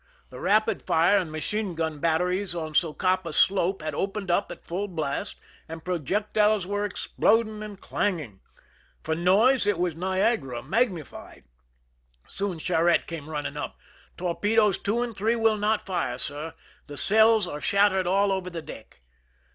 The rapid fire and machine gun batteries on Socapa slope had opened up at full blast, and projectiles were exploding and clanging. For noise, it was Niagara magnified. Soon Charette came running up. "Torpedoes 2 and 3 will not fire, sir ; the ceUs are shattered all over the deck."